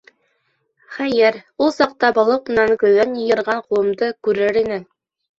Хәйер, ул саҡта балыҡ минең көҙән йыйырған ҡулымды күрер ине.